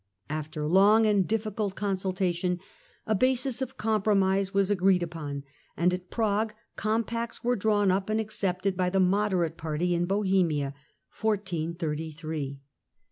After long and difficult consultation a basis of compromise was agreed upon, and at Prague Compacts compacts were drawn up and accepted by the moderate hernia, party in Bohemia.